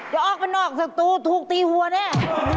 เดี๋ยวออกไปนอกสัตว์ตูถูกตีหัวแน่